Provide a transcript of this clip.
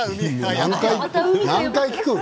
何回、聞くの？